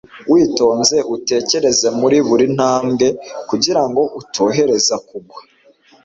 witonze utekereze muri buri ntambwe kugirango utohereza kugwa